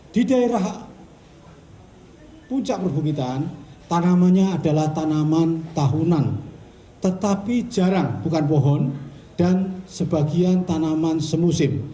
di daerah puncak perbukitan tanamannya adalah tanaman tahunan tetapi jarang bukan pohon dan sebagian tanaman semusim